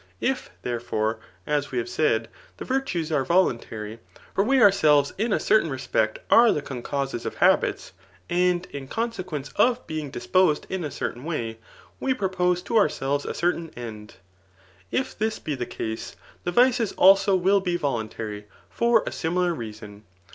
If, thecelbre^ as. we have said, the virtues ane vidualary ; Smt we ourselires in a certain respect ace tfas ooncauses of habits, and in consequence of bang 4Br poeed in a certain way, we propose to ourselves a certafai end ;rHlf tbis.be the case, the vices also will be i^taA tary,* foi: a similar reason..